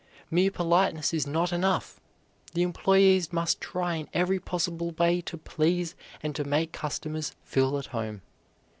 Mere politeness is not enough; the employees must try in every possible way to please and to make customers feel at home.